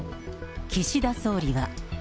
岸田総理は。